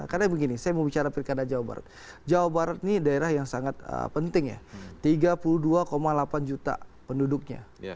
karena begini saya mau bicara pilkada jawa barat jawa barat ini daerah yang sangat penting ya tiga puluh dua delapan juta penduduknya